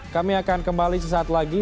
kami akan kembali sesaat lagi